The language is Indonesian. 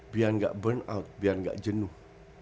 biar gak burn out biar gak jenuh